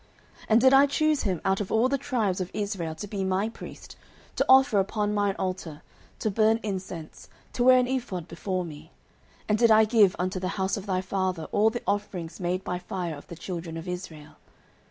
09:002:028 And did I choose him out of all the tribes of Israel to be my priest, to offer upon mine altar, to burn incense, to wear an ephod before me? and did I give unto the house of thy father all the offerings made by fire of the children of Israel?